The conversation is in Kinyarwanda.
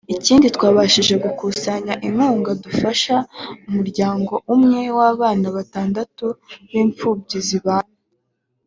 ikindi twabashije gukusanya inkunga dufasha umuryango umwe w’abana batandatu b’imfubyi zibana